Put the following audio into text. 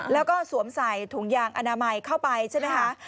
แล้วก็สวมใส่ถุงยางอนามัยเข้าไปใช่ไหมคะ